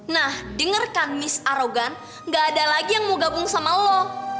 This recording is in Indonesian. nah dengerkan miss arogan gak ada lagi yang mau gabung sama lo